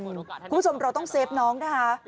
คุณผู้ชมเราต้องเซฟน้องนะคะ